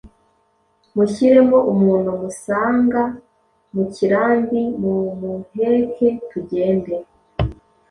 mushyiremo umuntu musanga mu kirambi mumuheke tugende